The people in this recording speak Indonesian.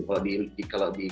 kalau di kerajaan